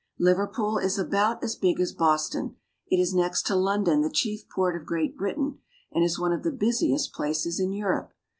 Liverpool is about as big as Boston ; it is next to Lon don the chief port of Great Britain, and is one of the busi MANUFACTURING ENGLAND. 65 est places in Europe.